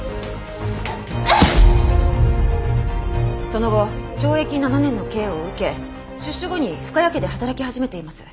その後懲役７年の刑を受け出所後に深谷家で働き始めています。